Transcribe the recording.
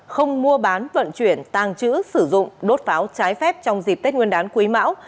không mua bán vận chuyển tàng trữ sử dụng đốt pháo trái phép trong dịp tết nguyên đán quý mão